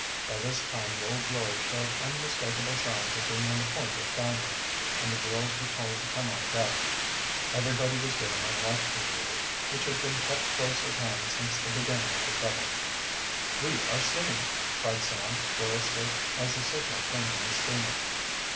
By this time the Old Glory showed unmistakable signs of being on the point of foundering, and the girls were told to come on deck. Everybody was given a life preserver, which had been kept close at hand since the beginning of the trouble. "We are seen!" cried Sam joyously, as a signal came from the steamer.